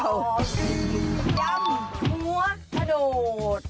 คือยำหัวถโดด